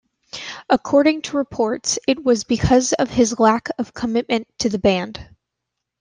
According to reports, it was because of his lack of commitment to the band.